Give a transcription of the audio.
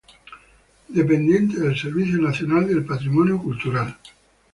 Dependiente del Servicio Nacional del Patrimonio Cultural.